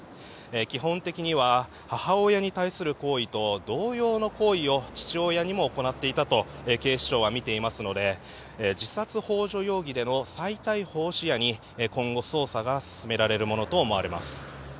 基本的には母親に対する行為と同様の行為を父親にも行っていたと警視庁は見ていますので自殺ほう助容疑での再逮捕を視野に今後、捜査が進められるものと思われます。